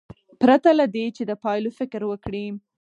پرته له دې چې د پایلو فکر وکړي.